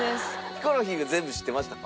ヒコロヒーは全部知ってましたか？